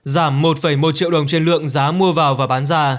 giảm một một triệu đồng trên lượng giá mua vào và bán ra